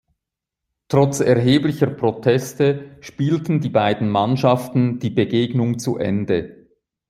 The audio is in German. Trotz erheblicher Proteste spielten die beiden Mannschaften die Begegnung zu Ende.